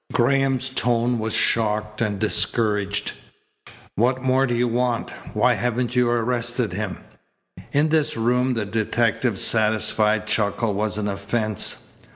Graham's tone was shocked and discouraged. "What more do you want? Why haven't you arrested him?" In this room the detective's satisfied chuckle was an offence.